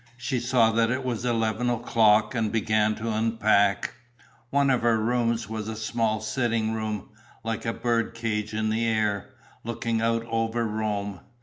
She saw that it was eleven o'clock and began to unpack. One of her rooms was a small sitting room, like a bird cage in the air, looking out over Rome.